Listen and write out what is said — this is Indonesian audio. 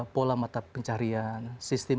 pola mata pencarian sistem